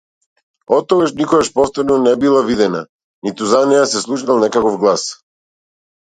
Оттогаш никогаш повторно не била видена, ниту за неа се слушнал некаков глас.